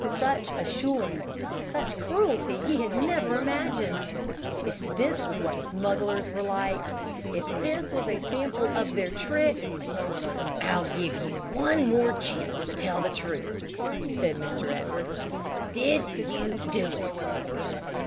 Such assurance, such cruelty, he had never imagined. If this was what smugglers were like if this was a sample of their tricks "I'll give you one more chance to tell the truth," said Mr. Edwards. "Did you do it?"